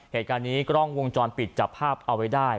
เหตุการณ์นี้กล้องวงจรปิดจับภาพเอาไว้ได้